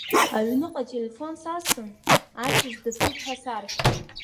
Аҩныҟа ателефон сасын, ашьыжь дыԥрит ҳәа сарҳәеит.